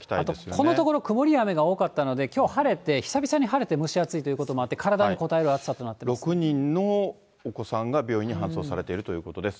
このところ、曇りや雨が多かったので、きょう晴れて、久々に晴れて蒸し暑いということもあって、体にこたえる暑さとな６人のお子さんが病院に搬送されているということです。